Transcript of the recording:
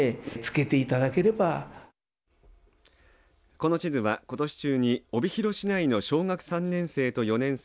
この地図はことし中に帯広市内の小学３年生と４年生